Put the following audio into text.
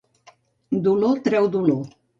Dolor treu dolor.